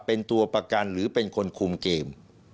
เป็นตัวประกันหรือเป็นคนคุมเกม